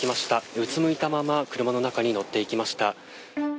うつむいたまま、車の中に乗っていきました。